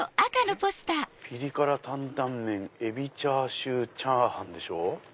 「ピリ辛担々麺」「えびチャーシューチャーハン」。